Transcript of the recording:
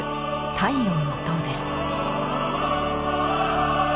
「太陽の塔」です。